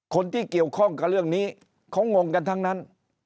คนที่เกี่ยวข้องกับเรื่องนี้เขางงกันทั้งนั้น